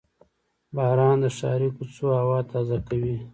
• باران د ښاري کوڅو هوا تازه کوي.